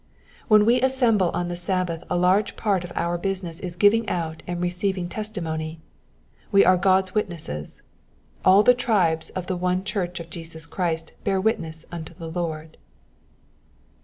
When we assemble on the Sabbath a large part of our business is giving out and receiving testi mony : we are God's witnesses ; all the tribes of the one church of Jesus Christ bear witness unto the Lord.